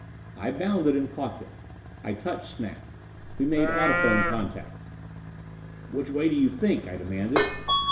I bounded and caught them. I touched Snap. We made audiphone contact. "Which way do you think?" I demanded.